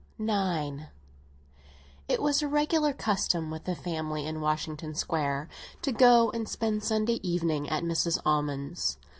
IX IT was a regular custom with the family in Washington Square to go and spend Sunday evening at Mrs. Almond's.